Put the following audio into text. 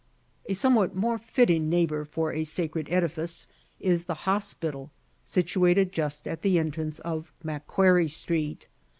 A somewhat more fitting neighbour for a sacred edifice, is the hospital situated just at the entrance of Macquarie Street.